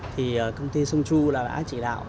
thì công ty sông chu đã chỉ đạo